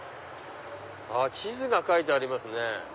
地図が描いてありますね。